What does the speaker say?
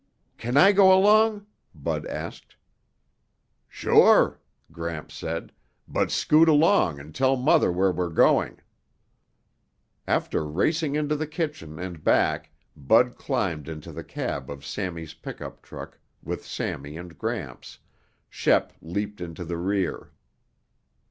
"Can I go along?" Bud asked. "Sure," Gramps said, "but scoot along and tell Mother where we're going." After racing into the kitchen and back, Bud climbed into the cab of Sammy's pickup truck with Sammy and Gramps, Shep leaped into the rear.